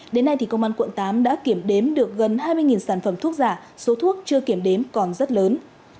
đến nay thì công an quận tám đã kiểm đếm được gần hai mươi sản phẩm thuốc giả số thuốc chưa kiểm đếm còn rất lớn